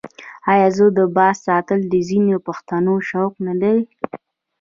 آیا د باز ساتل د ځینو پښتنو شوق نه دی؟